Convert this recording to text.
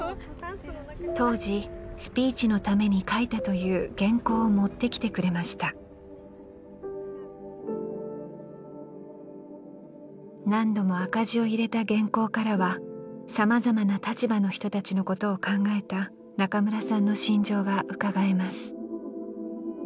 当時スピーチのために書いたという原稿を持ってきてくれました何度も赤字を入れた原稿からはさまざまな立場の人たちのことを考えた仲村さんの心情がうかがえます